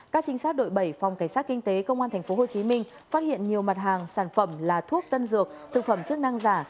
các trinh sát đội bảy phòng cảnh sát kinh tế công an tp hcm phát hiện nhiều mặt hàng sản phẩm là thuốc tân dược thực phẩm chức năng giả